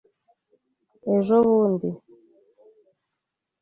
Ejo bundi.